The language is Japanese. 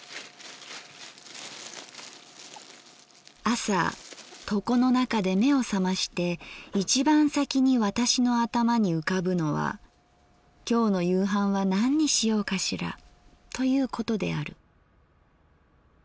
「あさ床の中で眼をさまして一番さきに私の頭に浮かぶのは今日の夕飯は何にしようかしらということである。